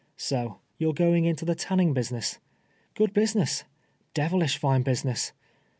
So you're going into the tanning Itusiness? Good business — devilish line business.